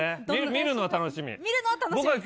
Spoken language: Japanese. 見るの、楽しみ。